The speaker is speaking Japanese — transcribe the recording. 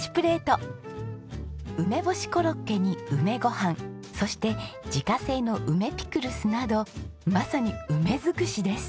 梅干しコロッケに梅ご飯そして自家製の梅ピクルスなどまさに梅づくしです。